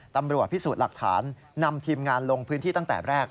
ตำรวจพิสูจน์หลักฐานนำทีมงานลงพื้นที่ตั้งแต่แรก